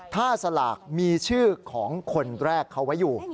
ถ้าสลากมีชื่อของคนแรกเขาไว้อยู่